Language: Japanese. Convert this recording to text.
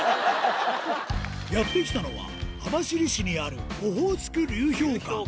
やって来たのは、網走市にあるオホーツク流氷館。